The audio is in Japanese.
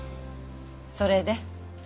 それで？